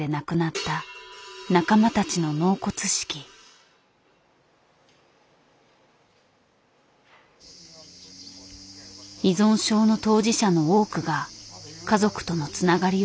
依存症の当事者の多くが家族とのつながりを失っている。